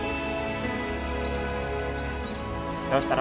どうしたの？